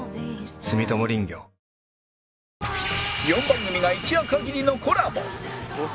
４番組が一夜限りのコラボ！